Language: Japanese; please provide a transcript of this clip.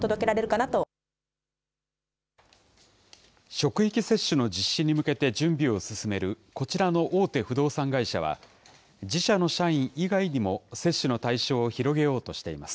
職域接種の実施に向けて準備を進めるこちらの大手不動産会社は、自社の社員以外にも接種の対象を広げようとしています。